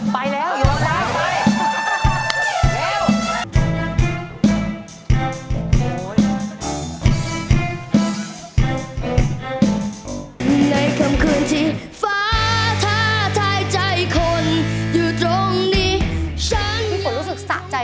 โปรดติดตามตอนต่อไป